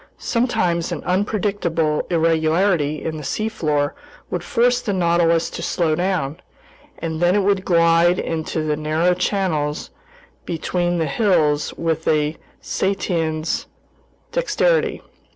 Sometimes an unpredictable irregularity in the seafloor would force the Nautilus to slow down, and then it would glide into the narrow channels between the hills with a cetacean's dexterity.